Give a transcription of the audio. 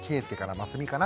真澄かな？